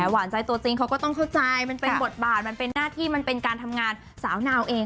หวานใจตัวจริงเขาก็ต้องเข้าใจมันเป็นบทบาทมันเป็นหน้าที่มันเป็นการทำงานสาวนาวเอง